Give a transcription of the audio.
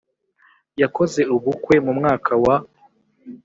Yakoze ubukwe mumwaka wa